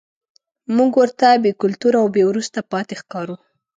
موږ ورته بې کلتوره او وروسته پاتې ښکارو.